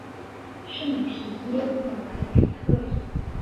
圣皮耶尔莱比特里。